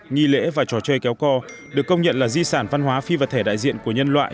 nghi lễ và trò chơi kéo co được công nhận là di sản văn hóa phi vật thể đại diện của nhân loại